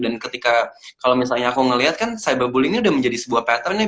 dan ketika kalau misalnya aku ngelihat kan cyberbullying ini udah menjadi sebuah pattern ya